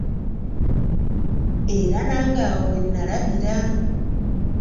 Era nange awo wennalabira.